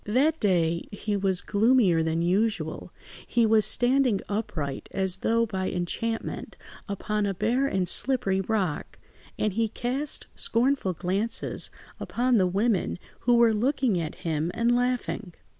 That day he was gloomier than usual; he was standing upright, as though by enchantment, upon a bare and slippery rock, and he cast scornful glances upon the women who were looking at him and laughing.